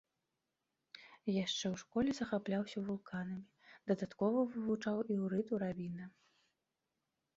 Яшчэ ў школе захапляўся вулканамі, дадаткова вывучаў іўрыт у рабіна.